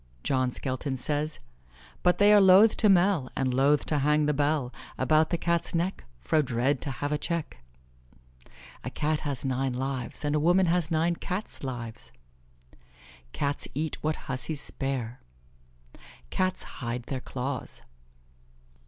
John Skelton says: "But they are lothe to mel, And lothe to hang the bel About the Catte's neck, Fro dred to have a checke" "A Cat has nine lives, and a woman has nine Cats' lives." "Cats eat what hussies spare." "Cats hide their claws."